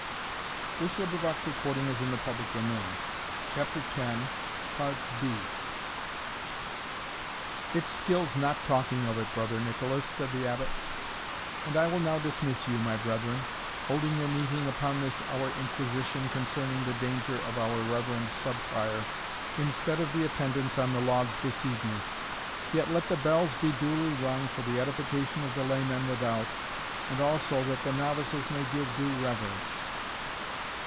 such proper men! and as pitiful as proper, and as pious as pitiful!" "It skills not talking of it, Brother Nicolas," said the Abbot; "and I will now dismiss you, my brethren, holding your meeting upon this our inquisition concerning the danger of our reverend Sub Prior, instead of the attendance on the lauds this evening Yet let the bells be duly rung for the edification of the laymen without, and also that the novices may give due reverence.